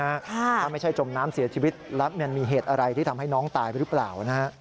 ถ้าไม่ใช่จมน้ำเสียชีวิตแล้วมันมีเหตุอะไรที่ทำให้น้องตายหรือเปล่านะฮะ